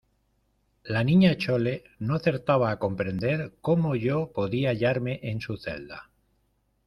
la Niña Chole no acertaba a comprender cómo yo podía hallarme en su celda